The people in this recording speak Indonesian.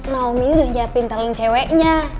naomi udah nyiapin talent ceweknya